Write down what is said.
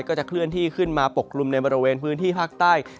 ก็จะเคลื่อนที่ขึ้นมาปกกลุ่มในบริเวณพื้นที่ภาคใต้